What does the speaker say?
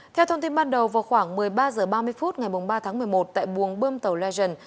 theo thông tin ban đầu vào khoảng một mươi ba h ba mươi phút ngày ba tháng một mươi một tại buồng bơm tàu legend